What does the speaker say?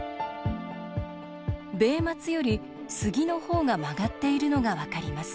ベイマツよりスギの方が曲がっているのが分かります。